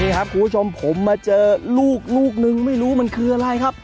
นี่ครับคุณผู้ชมผมมาเจอลูกลูกนึงไม่รู้มันคืออะไรครับ